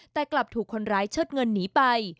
แต่กลับถูกคนร้ายเชิดเงินหนีไป